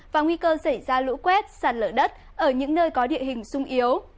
và nguy cơ xảy ra lũ quét sạt lở đất ở những nơi có địa hình sung yếu